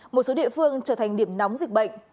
một số địa phương trở thành điểm nóng dịch bệnh